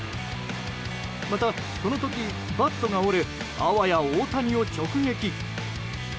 また、この時バットが折れあわや大谷を直撃。